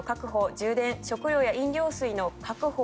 ・充電食料や飲料水の確保。